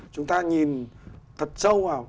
chúng ta nhìn thật sâu vào